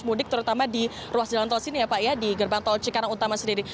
mudik terutama di ruas jalan tol sini ya pak ya di gerbang tol cikarang utama sendiri